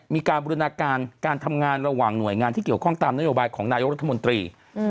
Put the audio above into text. มีการบรินาการการทำงานระหว่างหน่วยงานที่เกี่ยวข้องตามนโยบายของนายกรัฐมนตรี